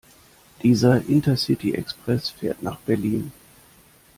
Dieser Intercity-Express fährt nach Berlin.